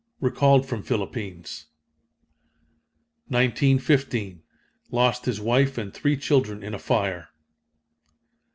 Recalled from Philippines. 1915. Lost his wife and three children in a fire.